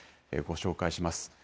ご紹介します。